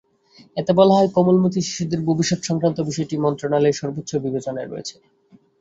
এতে বলা হয়, কোমলমতি শিশুদের ভবিষ্যত্-সংক্রান্ত বিষয়টি মন্ত্রণালয়ের সর্বোচ্চ বিবেচনায় রয়েছে।